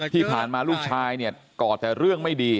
ที่ผ่านมาลูกชายเนี่ยก่อแต่เรื่องไม่ดี